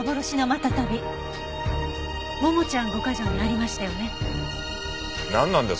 ももちゃん５ヶ条にありましたよね。